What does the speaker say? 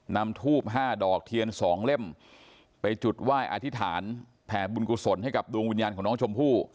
นำทูบ๕ดอกเทียน๒เล่มไปจุดไหว้อธิษฐานแผ่บุญกุศลให้กับดวงวิญญาณของน้องชมพู่